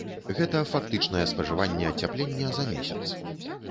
Гэта фактычнае спажыванне ацяплення за месяц.